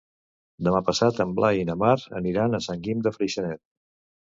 Demà passat en Blai i na Mar aniran a Sant Guim de Freixenet.